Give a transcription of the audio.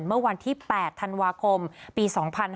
เมื่อวันที่๘ธันวาคมปี๒๕๕๙